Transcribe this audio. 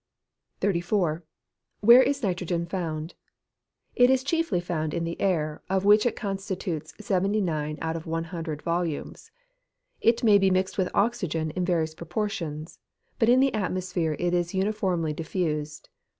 34. Where is nitrogen found? It is chiefly found in the air, of which it constitutes 79 out of 100 volumes. It may be mixed with oxygen in various proportions; but in the atmosphere it is uniformly diffused.